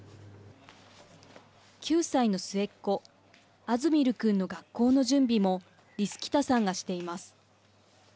９歳の末っ子アズミルくんの学校の準備もリスキタさんがしています。